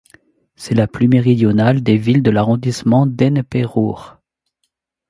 C'est la plus méridionale des villes de l'arrondissement d'Ennepe-Ruhr.